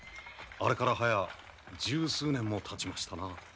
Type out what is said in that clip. あれから早十数年もたちましたな。